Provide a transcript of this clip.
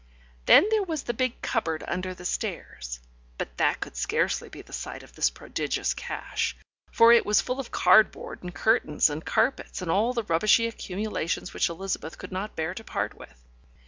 Then there was the big cupboard under the stairs, but that could scarcely be the site of this prodigious cache, for it was full of cardboard and curtains and carpets and all the rubbishy accumulations which Elizabeth could not bear to part with.